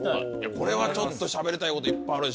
これはちょっとしゃべりたいこといっぱいあるでしょう。